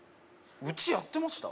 うちやってました？